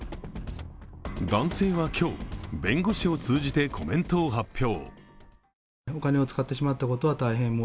男性は今日、弁護士を通じてコメントを発表。